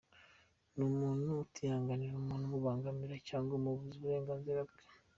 Ni umuntu utihanganira umuntu umubangamira cyangwa umubuza uburenganzira bwe.